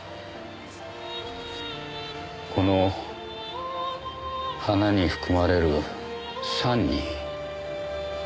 この花に含まれる酸に。